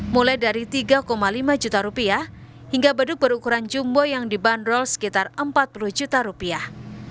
mulai dari tiga lima juta rupiah hingga beduk berukuran jumbo yang dibanderol sekitar empat puluh juta rupiah